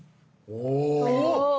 お！